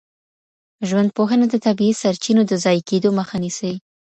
ژوندپوهنه د طبیعي سرچینو د ضایع کيدو مخه نیسي.